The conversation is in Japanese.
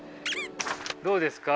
どうですか？